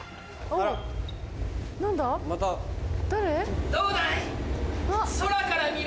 あら？